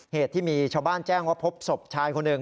เหตุที่มีชาวบ้านแจ้งว่าพบศพชายคนหนึ่ง